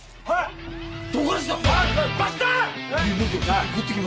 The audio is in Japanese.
あっ。